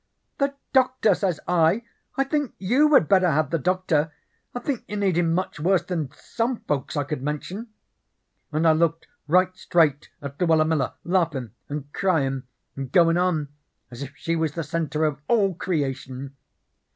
"'The doctor,' says I, 'I think YOU had better have the doctor. I think you need him much worse than some folks I could mention.' And I looked right straight at Luella Miller laughin' and cryin' and goin' on as if she was the centre of all creation.